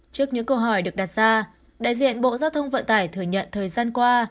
trước những câu hỏi được đặt ra đại diện bộ giao thông vận tải thừa nhận thời gian qua